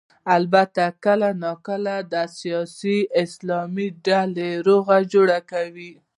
البته کله نا کله د سیاسي اسلام ډلې روغه جوړه کوي.